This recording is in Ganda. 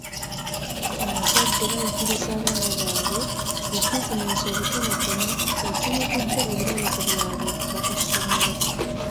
Abazadde bayigirizza abaana bwabwe bu bizinensi obutonotono ekiwugudde ebirowoozo byabwe okuva ku kusoma.